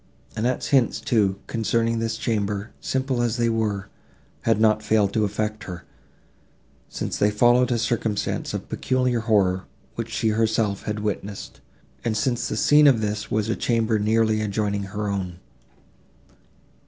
Annette's hints, too, concerning this chamber, simple as they were, had not failed to affect her, since they followed a circumstance of peculiar horror, which she herself had witnessed, and since the scene of this was a chamber nearly adjoining her own.